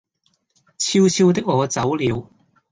悄悄的我走了